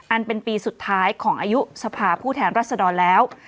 อันเป็นปีสุดท้ายของอายุสภาพผู้แทนรัศดรแล้ว